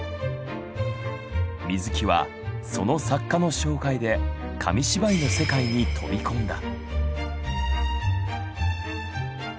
水木はその作家の紹介で紙芝居の世界に飛び込んだ。